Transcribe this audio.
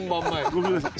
ごめんなさい。